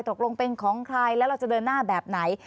ตกลงเป็นของใครแล้วเราจะเดินหน้าแบบไหน